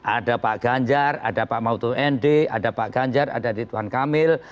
ada pak ganjar ada pak mautun endi ada pak ganjar ada ritwan kamil